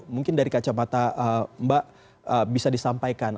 mungkin dari kacamata mbak bisa disampaikan